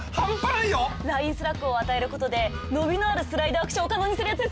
ラインスラッグを与えることで伸びのあるスライドアクションを可能にするやつですよね！